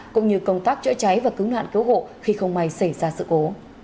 cũng như công tác chữa cháy và cứu nạn cứu hộ khi không may xảy ra sự cố